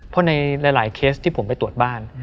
เพราะในหลายเคสที่ผมไปตรวจบ้าน